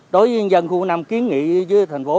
đối với dân khu năm kiến nghị với thành phố